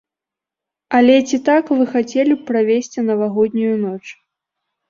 Але ці так вы хацелі б правесці навагоднюю ноч?